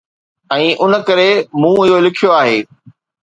۽ ان ڪري مون اهو لکيو آهي